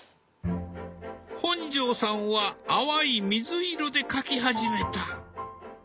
本上さんは淡い水色で描き始めた。